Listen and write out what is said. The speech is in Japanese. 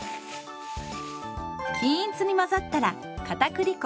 均一に混ざったらかたくり粉。